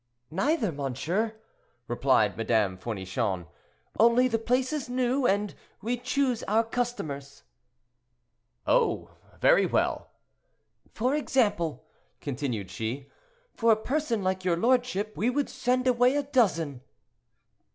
"Neither, monsieur," replied Madame Fournichon; "only the place is new, and we choose our customers." "Oh! very well." "For example," continued she, "for a person like your lordship, we would send away a dozen."